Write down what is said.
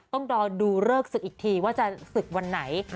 ต้องรอดูเลิกศึกอีกทีว่าจะศึกวันไหน